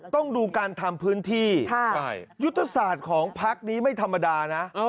ต้องดูการทำพื้นที่ยุทธศาสตร์ของพักนี้ไม่ธรรมดานะ